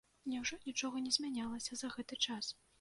Няўжо нічога не змянялася за гэты час?